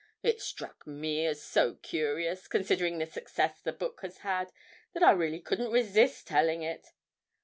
'It struck me as so curious, considering the success the book has had, that I really couldn't resist telling it.'